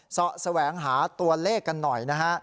เสาะแสวงหาตัวเลขกันหน่อยนะฮะ